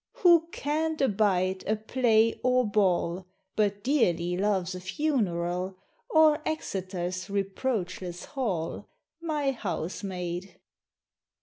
Who "can't abide" a play or ball, But dearly loves a Funeral, Or Exeter's reproachless Hall? My Housemaid.